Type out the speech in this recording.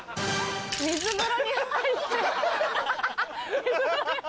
水風呂に入ってハハハ。